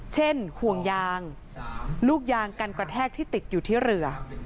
เช่นห่วงยางลูกยางกันกระแทกที่ติดอยู่ที่เรือ